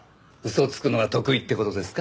嘘つくのが得意って事ですか？